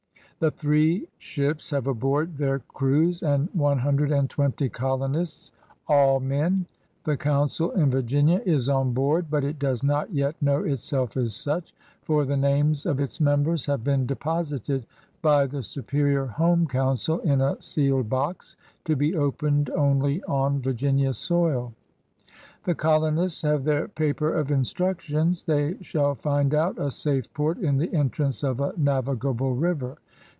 The three ships have aboard their crews and one himdred and twenty colonists, all men. The Coimdl in Virginia is on board — but it does not yet know itself as such, for the names of its members have been deposited by the superior home coimcil in a sealed box, to be opened only on Virginia soil. The colonists have their paper of instructions. They shall find out a safe port in the entrance of a navigable river.